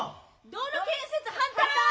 道路建設反対！